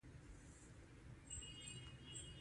خان زمان وویل، ته ډېره ښکلې رتبه لرې.